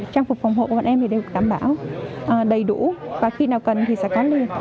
trang phục phòng hộ của bọn em thì đều đảm bảo đầy đủ và khi nào cần thì sẽ có luôn